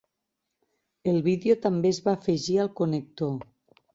El vídeo també es va afegir al connector.